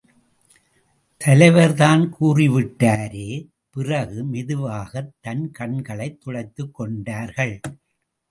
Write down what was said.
தலைவர்தான் கூறிவிட்டாரே! பிறகு, மெதுவாகத் தன் கண்களைத் துடைத்துக் கொண்டர்ள்.